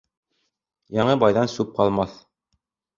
Яңы байҙан сүп ҡалмаҫ.